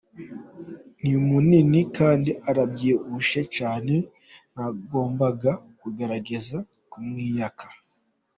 Ni munini kandi arabyibushye cyane, nagombaga kugerageza kumwiyaka.